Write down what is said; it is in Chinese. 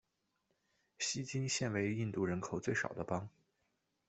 锡金现为印度人口最少的邦。